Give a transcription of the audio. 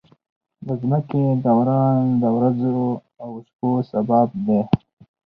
د ځمکې دوران د ورځو او شپو سبب دی.